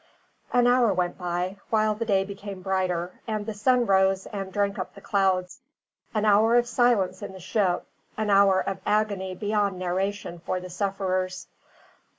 An hour went by, while the day came brighter, and the sun rose and drank up the clouds: an hour of silence in the ship, an hour of agony beyond narration for the sufferers.